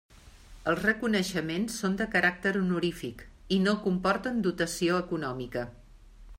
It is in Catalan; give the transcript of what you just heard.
Els reconeixements són de caràcter honorífic i no comporten dotació econòmica.